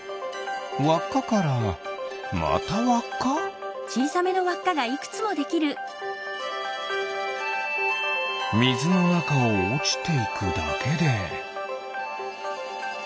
わっかからまたわっか？みずのなかをおちていくだけで。